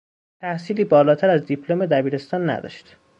تحصیلی بالاتر از دیپلم دبیرستان نداشت.